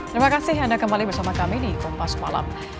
terima kasih anda kembali bersama kami di kompas malam